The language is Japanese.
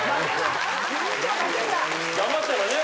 頑張ったらね。